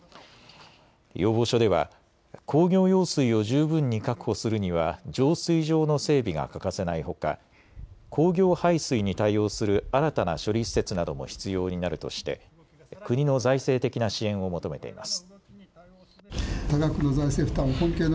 要望書では工業用水を十分に確保するには浄水場の整備が欠かせないほか、工業排水に対応する新たな処理施設なども必要になるとして国の財政的な支援を求めています。